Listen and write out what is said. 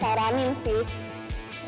ketika dia kecewa boy juga nangis